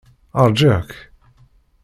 Ṛjiɣ-k.